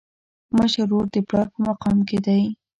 مشر ورور د پلار په مقام کي دی.